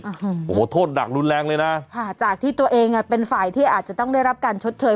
โอ้โหโทษหนักรุนแรงเลยนะค่ะจากที่ตัวเองอ่ะเป็นฝ่ายที่อาจจะต้องได้รับการชดเชย